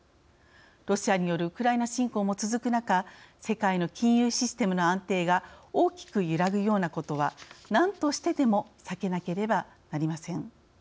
ロシアによるウクライナ侵攻も続く中世界の金融システムの安定が大きく揺らぐようなことは何としてでも避けなければなりません。